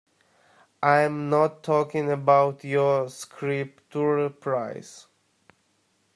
I'm not talking about your Scripture prize.